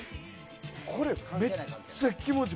これ、めっちゃ気持ちいい。